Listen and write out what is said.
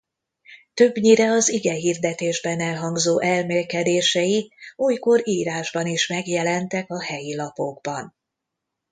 Többnyire az igehirdetésben elhangzó elmélkedései olykor írásban is megjelentek a helyi lapokban.